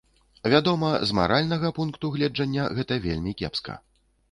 Вядома, з маральнага пункту гледжання гэта вельмі кепска.